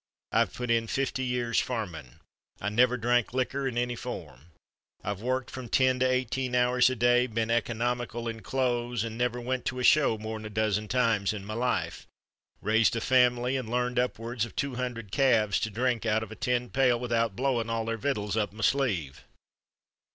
I've put in fifty years farmin'. I never drank licker in any form. I've worked from ten to eighteen hours a day, been economical in cloze and never went to a show more'n a dozen times in my life, raised a family and learned upward of two hundred calves to drink out of a tin pail without blowing all their vittles up my sleeve.